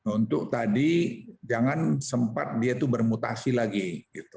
untuk tadi jangan sempat dia itu bermutasi lagi gitu